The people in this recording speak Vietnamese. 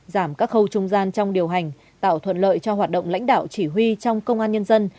giảm các khâu trung gian trong điều hành tạo thuận lợi cho hoạt động lãnh đạo chỉ huy trong công an nhân dân